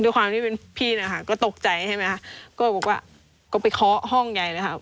ด้วยความที่เป็นพี่นะคะก็ตกใจใช่ไหมคะก็บอกว่าก็ไปเคาะห้องยายนะครับ